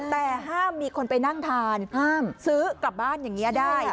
แต่ห้ามมีคนไปนั่งทานห้ามซื้อกลับบ้านอย่างนี้ได้